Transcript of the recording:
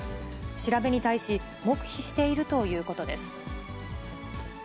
調べに対し、黙秘しているということです。